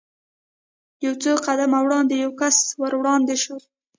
یو څو قدمه وړاندې یو کس ور وړاندې شو.